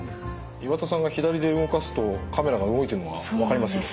岩田さんが左で動かすとカメラが動いてるのが分かりますよ。